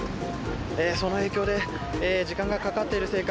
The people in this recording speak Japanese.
その影響で時間がかかっているせいか